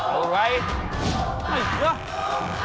ถูกกว่า